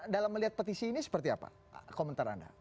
dalam melihat petisi ini seperti apa komentar anda